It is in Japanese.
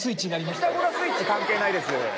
ピタゴラスイッチ関係ないです。